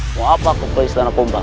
mau apa ke istana pompa